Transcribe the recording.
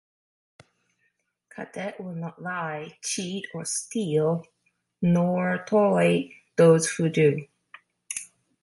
A cadet will not lie, cheat, or steal, nor tolerate those who do.